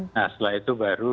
nah setelah itu baru